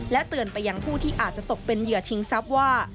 เตือนไปยังผู้ที่อาจจะตกเป็นเหยื่อชิงทรัพย์ว่า